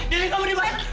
dewi kamu dimasukkan